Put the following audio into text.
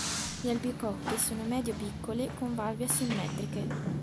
Le albicocche sono medio piccole con valve asimmetriche.